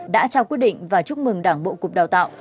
đã trao quyết định và chúc mừng đảng bộ cục đào tạo